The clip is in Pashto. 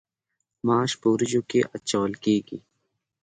ماش په وریجو کې اچول کیږي.